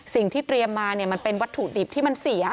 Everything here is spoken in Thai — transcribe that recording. สิ่งที่เตรียมมามันเป็นวัตถุดิบที่มันเสีย